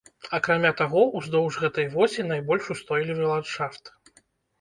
Акрамя таго, уздоўж гэтай восі найбольш устойлівы ландшафт.